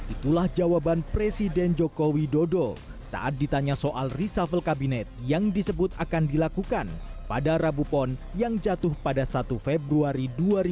itulah jawaban presiden joko widodo saat ditanya soal reshuffle kabinet yang disebut akan dilakukan pada rabu pon yang jatuh pada satu februari dua ribu dua puluh